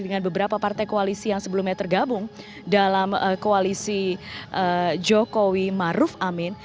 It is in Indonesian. dengan beberapa partai koalisi yang sebelumnya tergabung dalam koalisi jokowi maruf amin